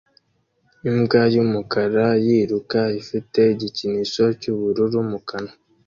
Imbwa y'umukara yiruka ifite igikinisho cy'ubururu mu kanwa